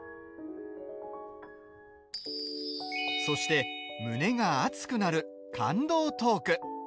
そして、胸が熱くなる感動トーク。